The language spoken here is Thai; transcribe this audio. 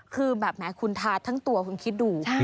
คือแบบแหมคุณทาทั้งตัวคุณคิดดู